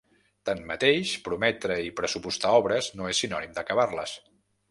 Tanmateix, prometre i pressupostar obres no és sinònim d’acabar-les.